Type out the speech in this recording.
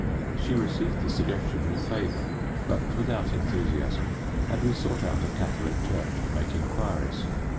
She received the suggestion with favour, but without enthusiasm, and we sought out a Catholic church to make inquiries.